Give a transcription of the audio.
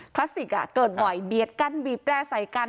คลาสสิกเกิดบ่อยเบียดกันบีบแร่ใส่กัน